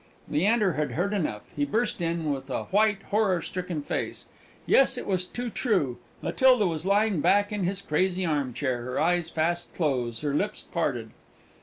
Leander had heard enough; he burst in, with a white, horror stricken face. Yes, it was too true! Matilda was lying back in his crazy armchair, her eyes fast closed, her lips parted.